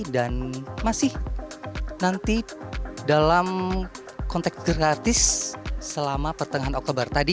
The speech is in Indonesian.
dan masih nanti dalam konteks gratis selama pertengahan oktober tadi